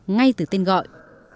ngay từ tên gọi